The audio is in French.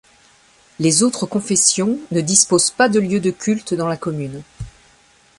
Les autres confessions ne disposent pas de lieu de culte dans la commune.